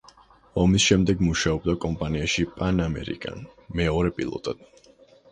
ომის შემდეგ მუშაობდა კომპანიაში „პან ამერიკან“ მეორე პილოტად.